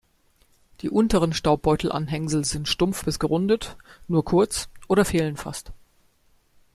Die unteren Staubbeutel-Anhängsel sind stumpf bis gerundet, nur kurz oder fehlen fast.